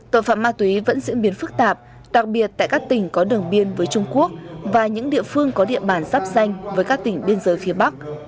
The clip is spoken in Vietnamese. tội phạm ma túy vẫn diễn biến phức tạp đặc biệt tại các tỉnh có đường biên với trung quốc và những địa phương có địa bàn sắp xanh với các tỉnh biên giới phía bắc